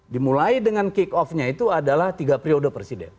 dimulai dengan kick offnya itu adalah tiga periode presiden